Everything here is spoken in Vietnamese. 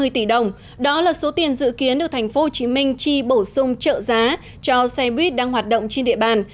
ba trăm ba mươi tỷ đồng đó là số tiền dự kiến được tp hcm chi bổ sung trợ giá cho xe buýt đang hoạt động trên địa bàn